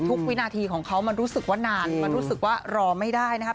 วินาทีของเขามันรู้สึกว่านานมันรู้สึกว่ารอไม่ได้นะครับ